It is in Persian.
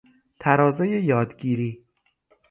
ترازهی یادگیری